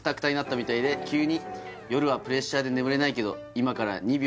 「夜はプレッシャーで眠れないけど」